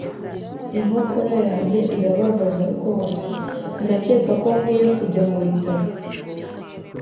Inkokora yanjye irababaza rwose. Ndakeka ko nkwiye kujya mubitaro.